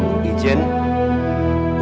untuk menyempurnakan ilmumu